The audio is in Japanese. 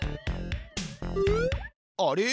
あれ？